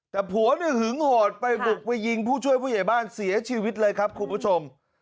แต่ผัวเนี่ยหึงโหดไปบุกไปยิงผู้ช่วยผู้ใหญ่บ้านเสียชีวิตเลยครับคุณผู้ชม